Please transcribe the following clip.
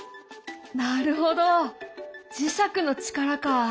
なるほど磁石の力かあ。